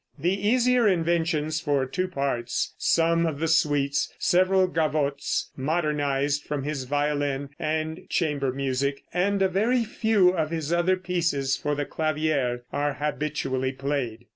The easier inventions for two parts, some of the suites, several gavottes, modernized from his violin and chamber music, and a very few of his other pieces for the clavier, are habitually played.